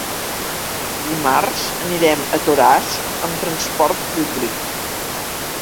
Dimarts anirem a Toràs amb transport públic.